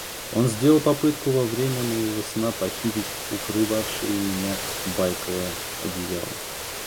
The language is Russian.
– Он сделал попытку во время моего сна похитить укрывавшее меня байковое одеяло.